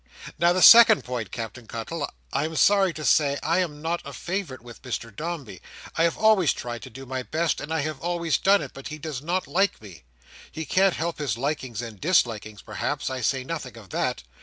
"Now, the second point, Captain Cuttle. I am sorry to say, I am not a favourite with Mr Dombey. I have always tried to do my best, and I have always done it; but he does not like me. He can't help his likings and dislikings, perhaps. I say nothing of that.